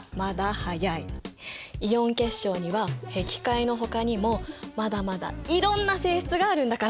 イオン結晶にはへき開のほかにもまだまだいろんな性質があるんだから！